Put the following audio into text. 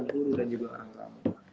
guru dan juga orang kamu